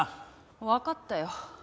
わかったよ。